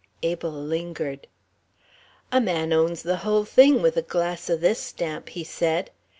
Abel lingered. "A man owns the hull thing with a glass o' this stamp," he said.